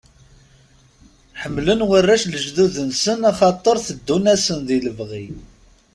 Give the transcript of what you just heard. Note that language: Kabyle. Ḥemmlen warrac lejdud-nsen axaṭer teddun-asen di lebɣi.